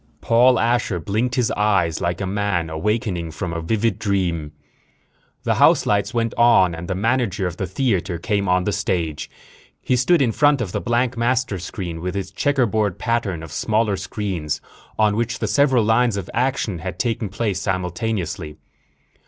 _Paul Asher blinked his eyes, like a man awakening from a vivid dream. The house lights went on and the manager of the theater came on the stage. He stood in front of the blank master screen with its checkerboard pattern of smaller screens, on which the several lines of action had taken place simultaneously.